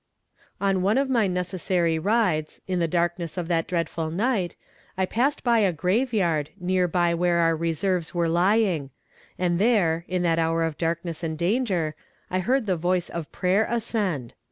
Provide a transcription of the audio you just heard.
On one of my necessary rides, in the darkness of that dreadful night, I passed by a grave yard near by where our reserves were lying and there, in that hour of darkness and danger, I heard the voice of prayer ascend.